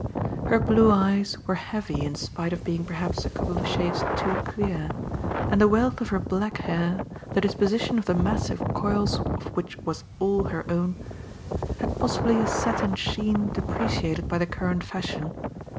Her blue eyes were heavy in spite of being perhaps a couple of shades too clear, and the wealth of her black hair, the disposition of the massive coils of which was all her own, had possibly a satin sheen depreciated by the current fashion.